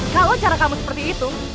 kalau cara kamu seperti itu